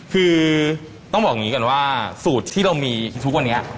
คือต้องบอกอย่างนี้ก่อนว่าสูตรที่เรามีทุกวันนี้